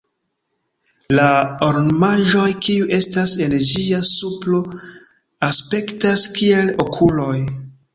La ornamaĵoj kiuj estas en ĝia supro aspektas kiel okuloj.